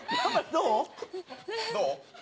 どう？